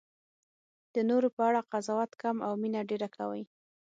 د نورو په اړه قضاوت کم او مینه ډېره کوئ.